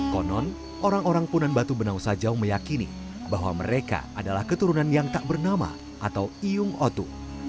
konon orang orang punan batu benau sajau meyakini bahwa mereka adalah keturunan yang tak bernama atau iyung otu